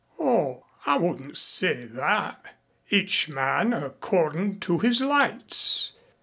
"Oh, I wouldn't say that. Each man according to his lights.